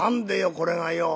これがよ。